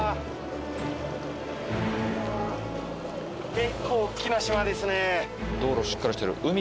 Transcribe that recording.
結構おっきな島ですね。